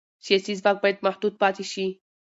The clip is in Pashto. سیاسي ځواک باید محدود پاتې شي